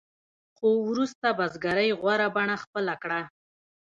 خو وروسته بزګرۍ غوره بڼه خپله کړه.